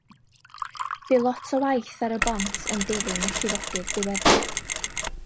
Bu lot o waith ar y bont yn dilyn y llifogydd diweddar.